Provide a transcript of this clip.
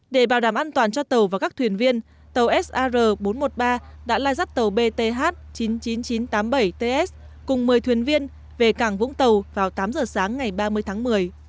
để bảo đảm an toàn cho tàu và các thuyền viên tàu sr bốn trăm một mươi ba đã lai rắt tàu bth chín mươi chín nghìn chín trăm tám mươi bảy ts cùng một mươi thuyền viên về cảng vũng tàu vào tám giờ sáng ngày ba mươi tháng một mươi